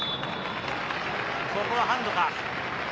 ここはハンドか。